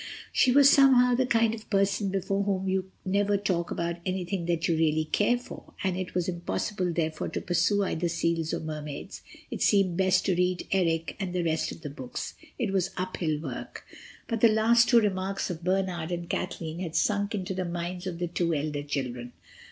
She was somehow the kind of person before whom you never talk about anything that you really care for, and it was impossible therefore to pursue either seals or Mermaids. It seemed best to read Eric and the rest of the books. It was uphill work. But the last two remarks of Bernard and Kathleen had sunk into the minds of the two elder children.